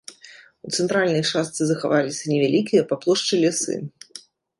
У цэнтральнай частцы захаваліся невялікія па плошчы лясы.